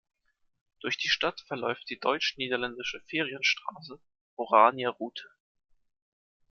Durch die Stadt verläuft die deutsch-niederländische Ferienstraße Oranier-Route.